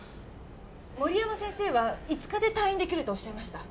森山先生は５日で退院出来るとおっしゃいました。